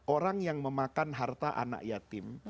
orang yang memakan harta anak yatim